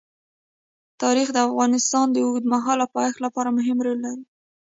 تاریخ د افغانستان د اوږدمهاله پایښت لپاره مهم رول لري.